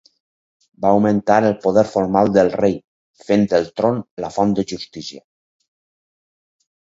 Va augmentar el poder formal del rei, fent el tron la font de justícia.